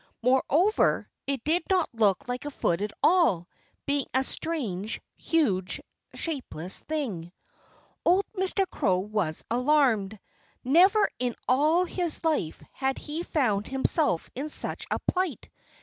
Moreover, it did not look like a foot at all, being a strange, huge, shapeless thing. Old Mr. Crow was alarmed. Never in all his life had he found himself in such a plight.